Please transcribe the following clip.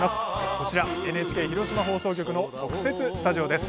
こちら、ＮＨＫ広島放送局の特設スタジオです。